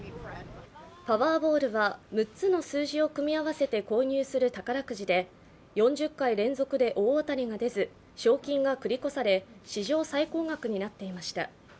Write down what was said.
パワーボールは６つの数字を組み合わせて購入する宝くじで４０回連続で大当たりが出ず、賞金が繰り越され、史上最高額になっていました。